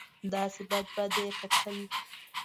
داسې بد بد به یې کتل.